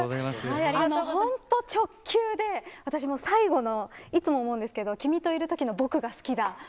本当に直球で私いつも思うんですけど君といるときの僕が好きだ。